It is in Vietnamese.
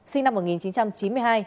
sinh năm hai nghìn một mươi chín